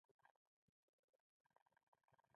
د سایتوپلازمیک غشا په شاوخوا کې قرار لري.